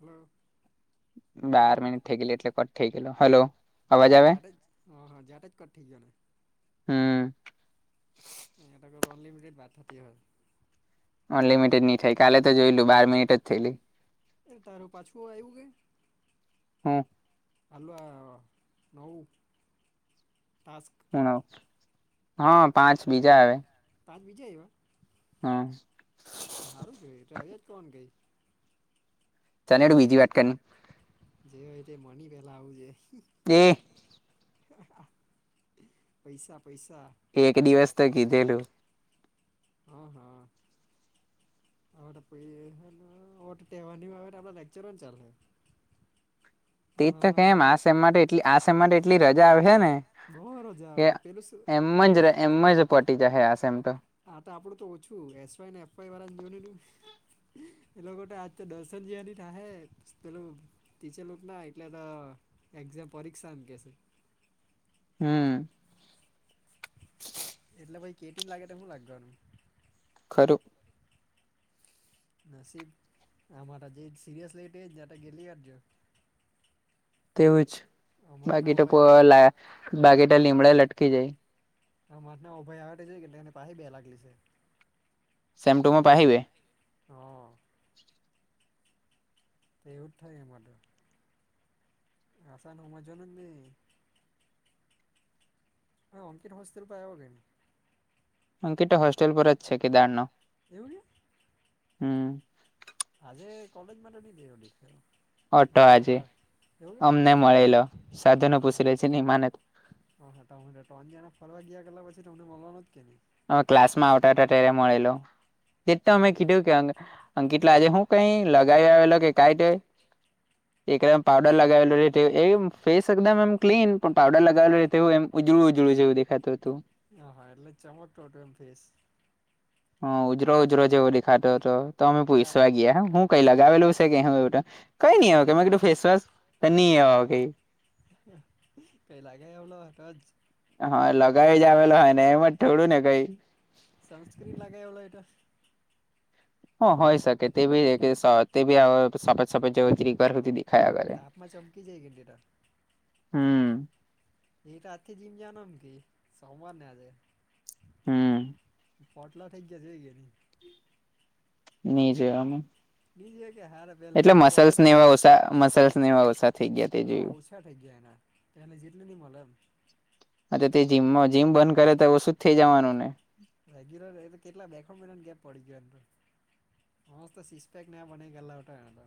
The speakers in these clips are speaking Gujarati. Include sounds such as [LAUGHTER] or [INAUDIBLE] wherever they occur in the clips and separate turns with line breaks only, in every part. હલો. હલો
બાર મિનિટ થઈ ગયલી એટલે કટ થઈ ગેલો હલો. અવાજ
એટલે
આવે
જાતે જ હા હા જાતે જ કટ થઈ ગયેલો.
હમ્મ.
મે તો કરું અનલિમિટેડ બાત થતી હોય.
અનલિમિટેડ ની થાય કાલે તો જોયેલું બાર મિનિટ જ થયેલી.
એ તારું પાછું આવ્યું કે?
હા.
આલુ આ નવુ ટાસ્ક
[UNINTELLIGIBLE] હા પાંચ બીજા આવ્યા.
પાંચ બીજે આઇવા?
હા.
હારું કે એટલે આવ્યા જ કરવાનું કે
ચાલની એડું બીજી વાટ કર ની.
જે હોય તે મની પેલા આવુંજે.
તે
હાહા, પૈસા પૈસા
એક દિવસ તો કીધેલું
હ હા. હવે તો પાહિ પહૈયા ની વાત ટેવાની આવે આપડો લેક્ચરો ન ચાલહે.
તેજ તો કેમ આ સેમ માટે એટલે આ સેમ માટે એટલી રજા આવહે ને
બહુ રોજ
કે
આવે ને પેલું
એમ જ
પેલું
એમમાં જ પટી જહે આ સેમ તો.
આ તો આપડું તો ઓછું એસ વાય ને એફ વાય વાળા ની જો ની તે. એ લોકો તો આજ તો દર્શન [UNINTELLIGIBLE] પેલું ટીચર લોકો ના એટલે એક્ઝામ પરીક્ષા એમ કેશે.
હમ્મ.
એટલે ભાઈ કેટીન લાગે તો હું લાગવાનું.
ખરું
નસીબ આમ તો જે સીયાસ લે તે જતા કેટલી વાર જોયો.
તેવું જ
અમારના
બાકી તો
અભય આ
[UNINTELLIGIBLE] બાકી તો લીમડા લટકી જાય.
હ માથના અભય અવે તે જોઈ કે તેને પાહિ બે લાગ લી છે.
સેમ
તે
ટુમાં
તે
પાહી બે
હા. તે એવું જ થાય એમાં તો. આસાનો હામજવાનું ની. હા અંકિત હોસ્ટેલ પાસે આવ.
અંકિત તો હોસ્ટેલ પર જ છે કે દારનો.
કેવુ કે
હમ્મ.
આજે કોલેજમાં નથી દેવ દીખ
ઑટો આજે અમને મળેલો સાધુ ને
કે
પૂછી લેજે ની માને તો.
હા હા તો ત્રણ જણા ફરવા ગયા કરલા પછી તમને મળવાનો જ કે ની.
હ ક્લાસ માં આવતા હતા ત્યારે મળેલો તેજ તો અમે કીધું કે અંકિતલા આજે હું કઈ લગાવી આવેલો કે કાઈ તે એકદમ પાવડર લગાવેલું રહેું એમ ફેસ એકદમ એમ ક્લીન પણ પાવડર લગાવેલું રહેવું એમ ઉજળું ઉજળું જેવું દેખાય. તું.
હ હા એટલે ચમક ટટ એમ ફીસ.
હ ઉજરો ઉજારો જેવ લીખાતો હતો તોમે
એટા
પૂઈસવા ગયા હ હું કઈ લગ આવેલું છે ક કઈ નઈું ફેસશ તો નઈ આવું કેય.
કઈ લાગે એમલો હતો જ.
હા લગાવી જ આવેલો હોય ને એમાં જ થોડું ને કઈ.
સનસ્ક્રીન લાગે એ ઓલો ઓહે.
હ હોય શકે તે બી તે બી સપાજ સફેદ સફેદ જેમ
હા તાપમાં ચમકી જાય કે ની તો.
હમ્મ.
એ રા આથી જીમ જવાનો આમ કેય સોમવાર ને આજે.
હમ્મ.
પટલા ઠઈ ગયા છેઈ ગયા ન.
ની જોયો મેં.
બજ હ હાર. વેલા જેટલી બોડી
ને એવા ઓછા મસલ્સ ને એવા ઓછા થઈ ગયા તે
હા
જોયું
ઓછા થઈ ગયા એના. તલે જેટલી નઈ મળે એમ.
હ તો તે જીમમાં જીમ બંધ કરે તો ઓછું જ થઇ જવાનું ને.
રેગ્યુલર એ કેટલા બેખણ મહિનાની ગેપ પડી ગયો એંદર. મસ્ત તો સીસ પેક નાં બનાઈ ગલા ગટા એ તો.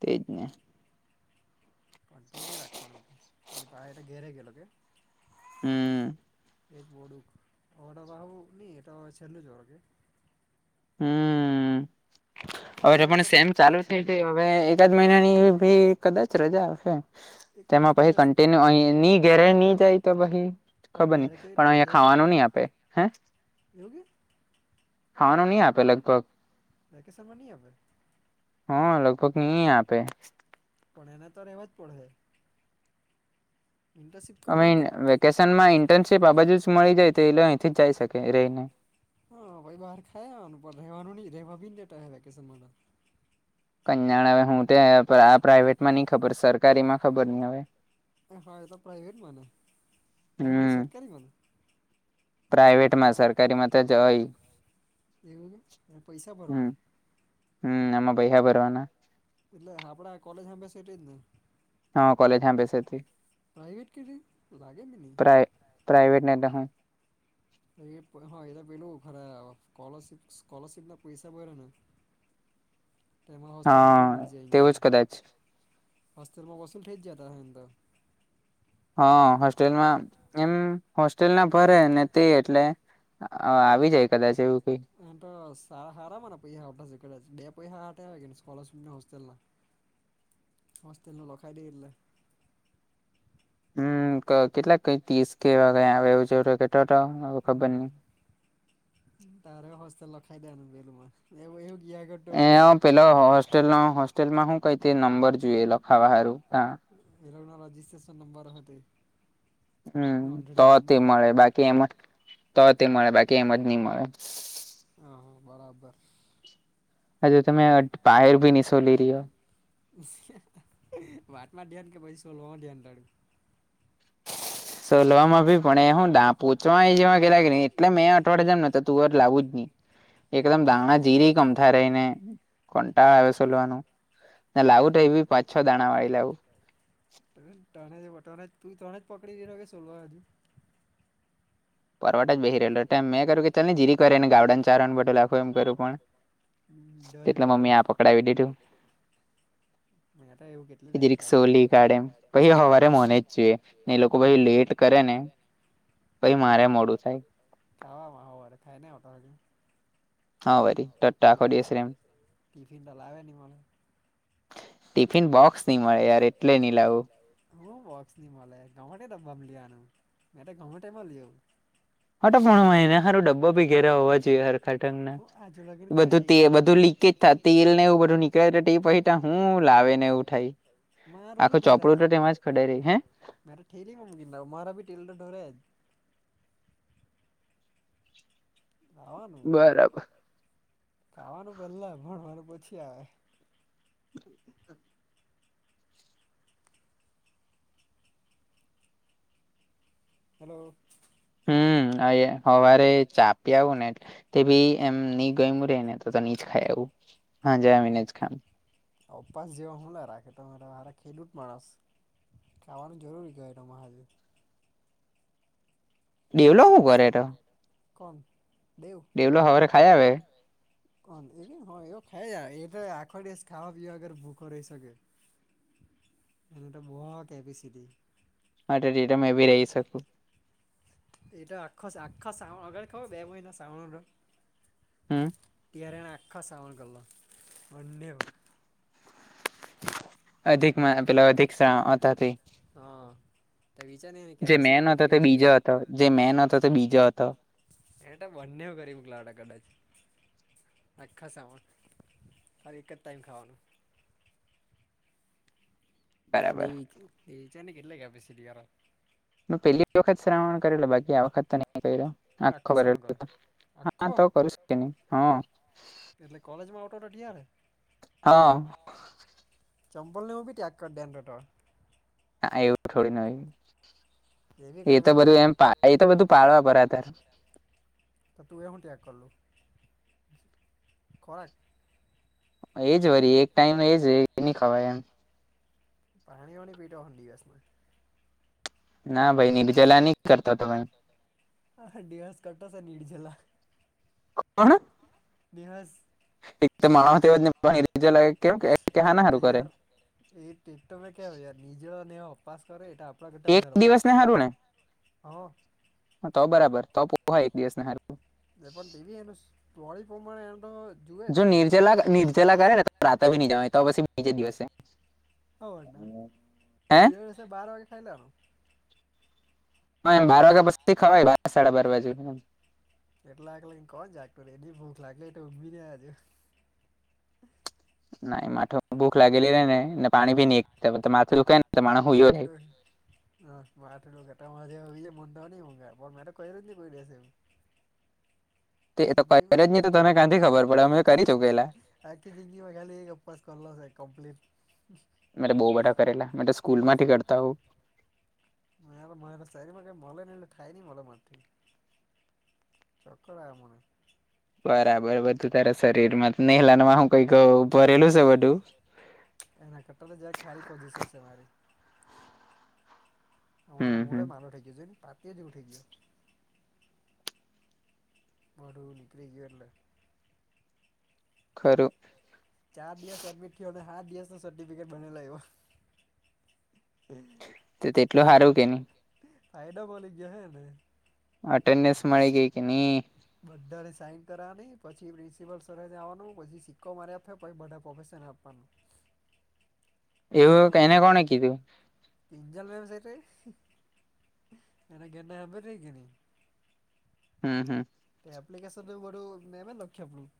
તેજ ને.
કન્ટીનુએ રાખવાનું નિની પહે એલે ઘેરે ગેલોગ કે.
હમ્મ.
એજ બોડુક ઓઢ બાહબુ ન એટ છેલ્નું જરાકે.
હમ્મ અરે
દિવાળી
પણ
પર
સેમ ચાલુ છે. હવે એકાદ મહિનાની ભી કદાચ રજા આવશે.
એકવીસ
તેમાં પછ
દિવસ
કન્ટિન્યુ અ નહી ઘેરે નહી જાય તો પાહિ
પણ
ખબર
ઘેર
નહી
કે
પણ અહીયાંયા ખાવાનું નહ આપે હે.
યોગી.
ખાવાનું નહી આપે લગભગ.
વેકેશન માં ની આપે.
હા લગભગ નહી આપે.
પણ એને તો રહેવા જ પડશે.
અમે
કરવાની
વેકેશન માં ઇન્ટર્નશીપ આ બાજુ જ મળી જાય તો એલે અહીંથી જાય શકે રહીને.
હા ભાઈ બહાર ખાયાનું રહેવાનું નહી રહેવા બી દેતા ઓહ વેકેશન મા.
કન્યાણ હ હું તે આ પ્રાાઈવેટમાં નઈ ખબર સરકારી માં ખબર નહી હવે.
એ ફાયદ તો પ્રાઈવેટમાંને પ્રાટ નહી સરકારીમાંને.
પ્રાાઈવેટ માં સરકારીમાં તો જ હોય.
એવું ત પૈસા ભરવાના.
હમ્મ એમ પૈસા ભરવાના.
એટલે આપડા કોલેજ હામે સ એટ જ ને.
હા કલેજ હામે છે તે
પ્રાઇવેટ કેટલી લાગે બી નહી
પપ્રાઇવેટ ના હ.
હા એ તો પેલું ખરા સ્કોલરશપ સ્કોલરશિપ ના પૈસા પ ને.
[INAUDIBLE]
ટમાં હોસ્ટલ ન ભી
હા
મળલી જાયંગ
તેવું જ કદાચ
હોસ્તેલમાંસુ ફ થેં જતા હતા હ એંદ
હા હોસ્ટેલમાં એમ હોસ્ટેલ ના ભરે ને તે એટલે. હ આવી જાય કદાચ એવું કઈ.
એ તો સારા હાર મને પૈસા હશે બે પૈસા [UNINTELLIGIBLE] સ્કલરશીપ ને હોસ્ટેલ ના
[INAUDIBLE]
હોસ્ટેલનું લખાય દઈ એટલે.
હમ કેટલાક કઈ ત્રીસ કેવા ક એવું [UNINTELLIGIBLE] છે કે ખબર ન
હમ તારે હસ્લ લખાય દેનું બેલુંમાં એવું કિયા કર
એ પેલો હોસ્ટેલ હોસ્ટેલમાં શું કઈ હતી નંબર જોઈએ લખાવા હારું
એલગ્નો રજીસ્ટ્રેશન નંબર હતી.
હમ તો તે મળે બાકી એમ તોથી મળે બાકી એમ જ નહી મળે
હા બરાબર.
હજ તમે બાયર ભી નશોલી રહ્યો.
વાતમાં ધ્યાન કે પછી સોલવામાં ધ્યાન તારું.
સોલવામાં ભી પણ હુ પોહચવાવા એટલે મેં અઠવાડે જમ ને તો તુંર લાવું જ નહી. એકદમ દાણા જીરી ગમતા રહીને કંટાળ આવે સોલવાનું. ના લાઉ તો એવી પાચ છ દાણા વાળી લાવું.
તણે જ ત તું ત્રણે જ પકડી દીધો કે સોલવા હજુ.
પરવાટ જ બ બે રહેલોમ મે કર્યું કે ચાલ ને જીરી કરેને ગાડાને ચારણ [UNINTELLIGIBLE] એમ કર્યું પણ
ધરી
તેટલે
પાડ્યો
મમ્મી આ પકડાવી દીધું.
મેં તો એવું કેટલી
એજ
લાઈક
રી
આવી
સોલી કાઢે પછી હવારે મને જ જોઈએ ને એ લોકો પછ લેટ કરે ને. પઈ
એટલે
મારે મોડું થાય.
[UNINTELLIGIBLE]
હા ભાઈ
ટિફિન
[UNINTELLIGIBLE] એમ
ટિફિન તો લાવે ની મલે
ટિફિન બોક્સ નહી મળે યાર એટલે નઇ લાવું.
હું બોક્ષ નઇ મળે ગમે દબામાં લઈ લેવાનું મે ગમેટેમાં લઇ આવું.
હ તો પણ હ એને સારો ડબ્બો ભી ઘેરે હોવા જોઈએ [UNINTELLIGIBLE]
હું આજ લગીન
બધું
કોઈ
બધું લીક [UNINTELLIGIBLE] તેલને એવું બધું નીકળે તે પહી હું લાવે. ને એવું
લાવે
થાય
મારું બી
આખું ચોપડું
દોરાય.
તો તેમાં જ ખડાઈ રહી હે
મેરારે ઠેલીમાં મુકીન લાવું મારા ભી ટેલ તો ઠોરય હજ. ખાવાનું
બરાબર
ખાવાનું પેલા પણ મારે પછી આવે.
[INAUDIBLE]
હલો.
હમ હવારે ચાપી આવું ને એટ તે ભી એમ નહી ગય રે ને તો હી જ ખાય આવું હાંજે આવી ને જ ખાય.
ઉપવાસ જેવા હું ના રાખે તમે તમારા ખેડૂત માણસ. ખાવાનું જરૂરી કેવાય તમારે.
ડેવલો હું કરે તો
કોણ દેવ
ડેવલો હવારે ખાઈ આવે.
કોણ એ એવ ખાય એ તો આખો દસ ખાવા પીવા વગર ભૂખો રહી શકે. એને તો બ કેપીસીટી.
માટે રીટ મે ભી રહી શકું.
[UNINTELLIGIBLE]
હમ.
તરેને આખો સાવણ બંને
અધિક મહિનો પેલા અધિકતાથી.
હા તો વિચાર
જે મેન
કેપેસિટી
હતો
કેટલી
તે
હસે.
બીજો હતો જે મેન હતો તે બીજા હતો.
એટ બંને કરી [UNINTELLIGIBLE] કદાચ. આખા સામાન તારે એક જ ટાઈમ ખાવાનું. [UNINTELLIGIBLE] ને
બરાબર
કેટલા કેટલી કેપેસિટી વાલા
પેલી વખત શ્રાવણ કરેલો બાકી આ વખત તો નહી કર્યો.
હું
આખો કરેલો
શ્રાવણ કરો
હા
આખો
તો કરી શકીએ ને.
એટલે કોલેજ માં ઓટો રટયા ત્યારે.
હા
ચંબલ નેવું બી ત્યાગ કરી દેં રોટર.
હા એવું થોડી
બી
ન એ તો
કરવાનો
બધું એમ
જોઈએ
એ તો બધું પાડવા પરા ત
તો તું એ હું ત્યાગ કરલું કર
એજ વરી એક ટાઈમ એજ એ ન ખવાય એમ.
પાણીઓની પીટો હો દિવસ માં.
ના ભાઈ બ
હા દિવસ કટો નિજલા.
કોણ [INAUDIBLE]
બે હજ
માણજ લ કે કે
તે
ના હારું કરે [UNINTELLIGIBLE]
તૈયાર એ ટેક ટમે ક્યા હોય નિજે ને અભ્યાસ કરે એટ પરા કેટ
એક
વઢારે ઉપવાસ
દિવસ ને
કર
સારું ને
હા
તો બરાબર તો પોહા એક દિવસ ના હ
જે પણ ટીવી એનુંડી પ્રમાણે એ તો [UNINTELLIGIBLE]
જો
યાર
નિર્જલા નિર્જલા કરે ને તો રાતા ભી નહી જવા તો પછી બીજે દિવસે.
હવ
હા,
અ એસે બાર વાગે ખાઈલા આવનું.
હ એમ બાર વાગ્યા પછી ખવા બ સાડા બાર વાગે.
એટલા આ કોણ જાાગતું એની ભૂખ લાગે એ ઊભી આજે.
ના માઠુંમાં ભૂખ લાગેલી ર નેને પાણી ભી નહી માથું રુખે ને તો માણ હોયયો રહે.
હ મા આઠ લગટજ જે મનવ નને ગ મેટ તો ક નથી કોઈલીસે [UNINTELLIGIBLE] [INAUDIBLE]
તે ત કર્યું જ ની તો તમે ક્યાંથી ખબર પડે અમે કરી ચૂકેલા.
પેકેજિંગી બાલી ઉંપાસ કરલો કમ્પ્લીટ.
મે બઉુ બધા કરેલા સ્કૂલ માંથી કરતા હો.
મ સામાં ક મ ને એટલે થાય ન મ માથી [UNINTELLIGIBLE] ચોક્કર આ મને.
બરાબર બધું તારા શરીર માં નેલાનમાં હું કઈક ભરેલું છે બધું.
એના કટ્ટર જરાક હારી પોઝિશન છે મારી
હમ હમ
[UNINTELLIGIBLE] બળું નિનીક્ર ગ એલે.
ખરુ
ચાર દિવસ એડમિટ થયો અને હાત દિવસ ન સર્ટિફિકેટ બનાઇ લાવ્યો.
તો તેટલું સારું કે ન.
તા એડ માલ ગયા હે ને [UNINTELLIGIBLE]
અટેન્ડસ મળી ગઈ કે નહીં
બધાને સાઈન કરવાની પછી પ્રિન્સિપલ સર જવાનું પછી સિક્કો મારે આપ્યો પછી બધા પ્રોફેેશરને આપવાનું. એવું
એને
કરવાનું,
કોણે કીધું
એંજલ વેબસાઇટ એને ઘેના હમે રહી ગે ન.
હમ હમ.
એ એપ્લિકેશન બરું મે એમ લખ્યા આપડું.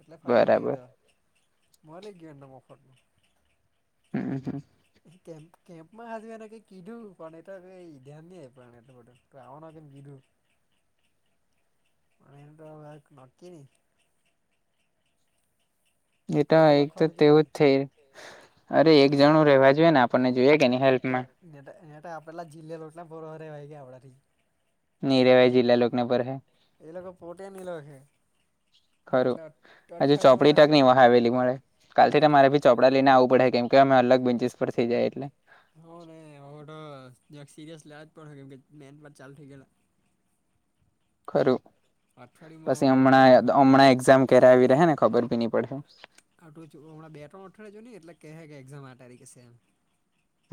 એટલે ફાવી
બરાબર
ગયોને મળરી ગયા એને મફતનું.
હમ.
કેમ્પ કેમ્પમાં હજુ એને કે કીધું પણ એટ ધ્યાન નં પણ એટ બધું. તો આવવાના કેમ કીધું.
[INAUDIBLE]
મ તો નકી ન
એ તો
કોઈટ
એક તો
લખવાનીજ
તેવું જ થઈ
એને. એક
અરે
જણું
એક જણું
રેવા
ને
જોઈએ
આપણને જોઈએ કે
ને
ની હેલ્પમાં
આપણને. ને નેટ પેલા જિલ્લાલોટલા બરો હરેવાય ગયા આપણાથી.
ની
[UNINTELLIGIBLE]
રેવાય
ના
જિલ્લા લોકને પર હે
એટલે અઠાળી માં રાખું છ
ખાવેલી મળે કાલથી તમારે બી ચોપડા લઈને આવવું પડે કેમ કે અમે અલગ બેન્ચસ પર થઇ જાય એટલે
[UNINTELLIGIBLE]
ખરું,
અઠવાડિયુંમાં હવે
પછી
બગડે નહીં તો
હમણાં
હારું
હમણાં એક્ઝામ ક્યારે આવી રહે ને ખબરી નહી પડશે
આટલું હમણાં બે ત્રણઠવાડિયા જો ને એટલે કહે કે એક્ઝામ આ તારીખે છે એમ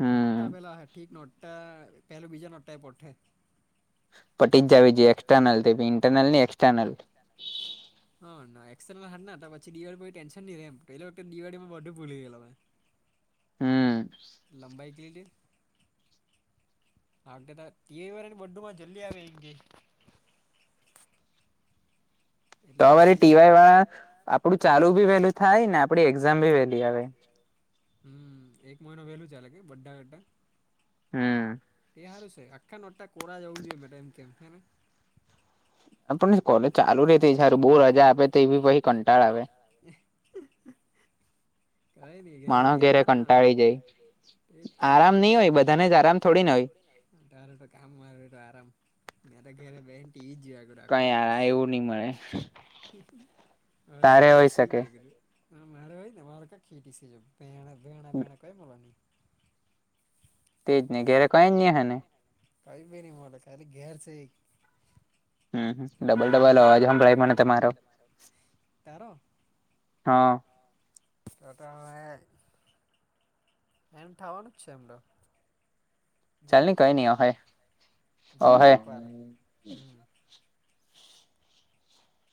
હમ પટી જ જવી જોઈ એક્સટર્નલ તેમની ઇન્ટરનલ નઈ એક્સટર્નલ
હા ના એક્સટર્નલ ના હતા પછી દિવાળી કોઈ ન્ન નહી રેમ પે વખતે દિવાળીમાં બધું ભૂલી ગયેું
હમ
લંબાઈ કે લ લ [UNINTELLIGIBLE]
તો
એટલે
વારી
થઈ જાય
ટીવાય
હારું
વાળા આપડું ચાલુ ભી વેલું થાય ને આપડી એક્ઝામ ભી વેલી આવે.
હમ એક મહિનો વહેલું ચાલે કે બધા કરતાં
હમ
એ સારું છે આખા નોટા કોરા જવું જોઈએ મેમ કેમ હેને
[UNINTELLIGIBLE]
પણ
રે તે
ચાલુ રહે
સારું
તો એકહારે બહુ
આપે તે
રજા આપ
બી
તો
પછી
એવીઈ કંટાળ આવે. કઈ નઈ ઘરે
માણસ
વઈને
ઘેરે
આ
કંટાળી જાય
એ વાથ નહી હોય બધાને જ આરામ થોડી ના હોય તારે તો કામ મારે તો આરામ મેં તો ઘરે બેસીને ટી. વી. જ જોયા રાખો
કઈ
દિવસ
એવું નહી મળે
હ
તારે
રાખો
હોય
દિવસ
શકે
જ [UNINTELLIGIBLE] [INAUDIBLE]
તેજ નહીં ઘેરે કઈ જ નહીં હ ને
કઈ બે ન મલા ખાલી ઘેર છે એક
હમ ડબલ
ને
ડબલ
મારી
અવાજ સંભળાઈ મને તમારો. હા
હ તો તો હવે થઠવાનું જ છે એમ તો
ચાલ ને
જરાક
કઈ
વાર
નઈ
ખાલી
અહે અહે
જરાક વાર